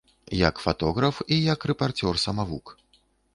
Як фатограф і як рэпарцёр самавук.